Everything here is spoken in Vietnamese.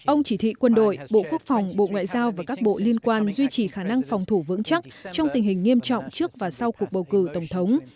ông chỉ thị quân đội bộ quốc phòng bộ ngoại giao và các bộ liên quan duy trì khả năng phòng thủ vững chắc trong tình hình nghiêm trọng trước và sau cuộc bầu cử tổng thống